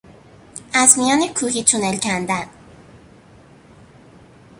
از میان کوهی تونل کندن